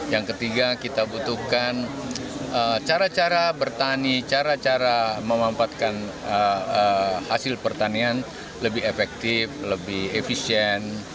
yang ketiga kita butuhkan cara cara bertani cara cara memampatkan hasil pertanian lebih efektif lebih efisien